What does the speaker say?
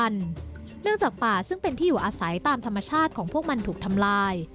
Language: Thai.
เนื่องจากป่าซึ่งเป็นที่อยู่อาศัยตามธรรมชาติของพวกมันถูกทำลาย